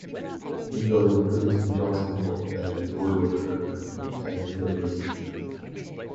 Because of President Johnson's popularity, Goldwater refrained from attacking the president directly.